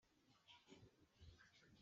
Datuen emaitzak nik argi dauzkat.